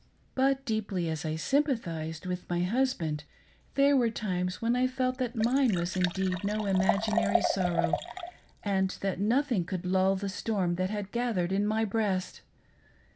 But deeply as I sympathised with my husband, there were times when I felt that mine was indeed no imaginary sorrow, and that nothing could lull the storm that had gathered in my breast.